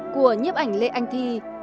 của nhiếp ảnh lê anh thi